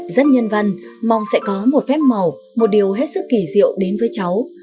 rất nhân văn mong sẽ có một phép màu một điều hết sức kỳ diệu đến với cháu